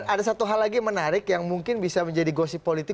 ada satu hal lagi menarik yang mungkin bisa menjadi gosip politik